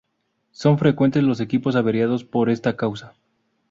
Son frecuentes los equipos averiados por esta causa.